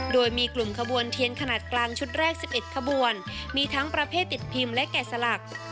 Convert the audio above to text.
โดยมีกลุ่มขบวนเทียนขนาดกลางชุดแรก๑๑ขบวนมีทั้งประเภทติดพิมพ์และแก่สลัก